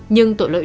nhưng tội lỗi